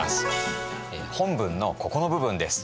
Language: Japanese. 本文のここの部分です。